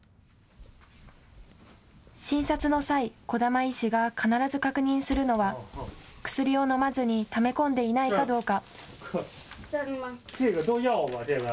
診察の際、児玉医師が必ず確認するのは薬を飲まずにため込んでいないかどうか。